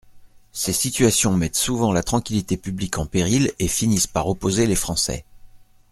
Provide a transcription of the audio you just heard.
Ces situations mettent souvent la tranquillité publique en péril et finissent par opposer les Français.